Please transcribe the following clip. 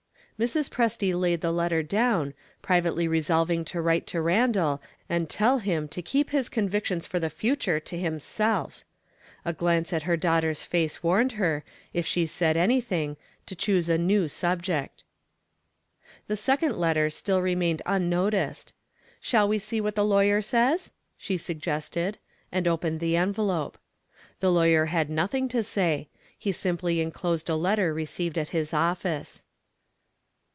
Mrs. Presty laid the letter down, privately resolving to write to Randal, and tell him to keep his convictions for the future to himself. A glance at her daughter's face warned her, if she said anything, to choose a new subject. The second letter still remained unnoticed. "Shall we see what the lawyer says?" she suggested and opened the envelope. The lawyer had nothing to say. He simply inclosed a letter received at his office.